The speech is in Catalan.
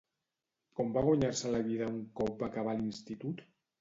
Com va guanyar-se la vida un cop va acabar l'institut?